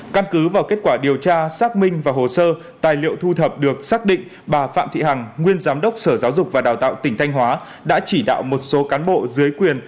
căn cứ vào kết quả điều tra xác minh và hồ sơ tài liệu thu thập được xác định bà phạm thị hằng nguyên giám đốc sở giáo dục và đào tạo tỉnh thanh hóa đã chỉ đạo một số cán bộ dưới quyền